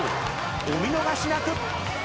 お見逃しなく］